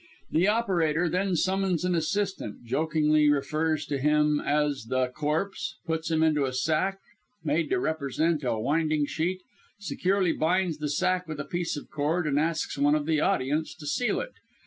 The operator then summons an assistant, jokingly refers to him as "the corpse" puts him into a sack, made to represent a winding sheet, securely binds the sack with a piece of cord, and asks one of the audience to seal it.